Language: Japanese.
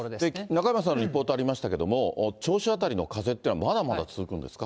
中山さんのリポートありましたけど、銚子辺りの風っていうのは、まだまだ続くんですか。